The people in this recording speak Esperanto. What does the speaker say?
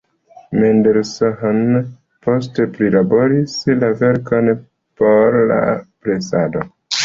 Mendelssohn poste prilaboris la verkon por la presado.